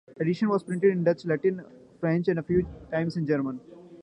Editions were printed in Dutch, Latin, French, and a few times in German.